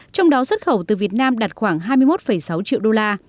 trong đó xuất khẩu từ việt nam đạt khoảng hai mươi một sáu triệu đô la